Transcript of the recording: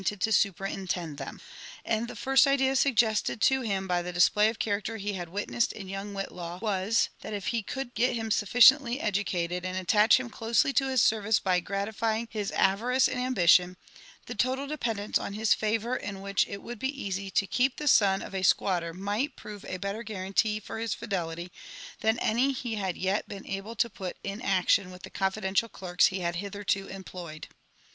d to superintend them ; and the first idea suggested to him by the display of character he had witnessed in young Whitlaw was, (hat if he could get him sufficiently educated, and attach him closely to his service by gratifying his avarice and ambition, thd total dependence on his favour in which it would be easy to keep the* son of a squatter might prove a better guarantee for his fidelity, than any he bad yet been able to put in action with the confidential clerks he had hitherto em« ployed.